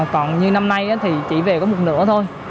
còn như năm nay thì chỉ về có một nửa thôi